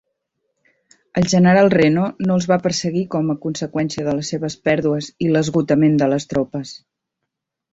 El general Reno no els va perseguir com a conseqüència de les seves pèrdues i l'esgotament de les tropes.